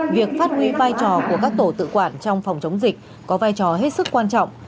việc phát huy vai trò của các tổ tự quản trong phòng chống dịch có vai trò hết sức quan trọng